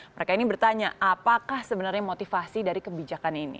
mereka ini bertanya apakah sebenarnya motivasi dari kebijakan ini